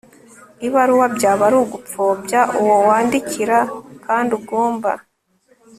ibaruwa. byaba ari ugupfobya uwo wandikira kandi ugomba